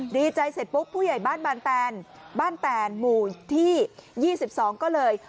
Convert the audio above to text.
ดีใจเสร็จปุ๊บผู้ใหญ่บ้านบานแตนบ้านแตนหมู่ที่๒๒ก็เลย